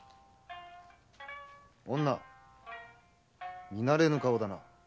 女見慣れぬ顔だな。